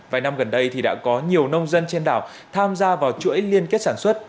vài năm gần đây thì đã có nhiều nông dân trên đảo tham gia vào chuỗi liên kết sản xuất